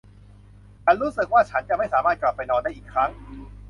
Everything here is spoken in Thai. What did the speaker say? ฉันรู้สึกว่าฉันจะไม่สามารถกลับไปนอนได้อีกครั้ง